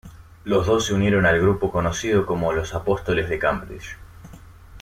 Los dos se unieron al grupo conocido como los Apóstoles de Cambridge.